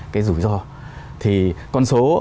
cái rủi ro thì con số